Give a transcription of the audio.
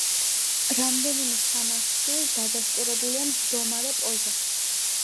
რამდენიმე სამარხში დადასტურებულია მჯდომარე პოზა.